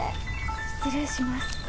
失礼します。